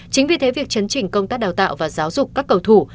chính vì thế việc chấn chỉnh công tác đào tạo và giáo dục các cầu thủ